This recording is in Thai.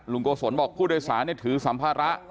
ลุงโกสนบอกผู้โดยสารนี่ถือสัมภาระ